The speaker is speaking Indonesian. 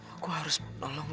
aku harus menolong